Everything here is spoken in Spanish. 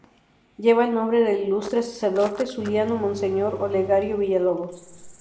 Lleva el nombre del ilustre sacerdote zuliano Monseñor Olegario Villalobos.